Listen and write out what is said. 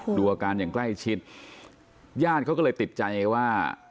ดูอาการอย่างใกล้ชิดญาติเขาก็เลยติดใจว่า